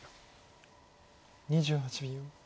２８秒。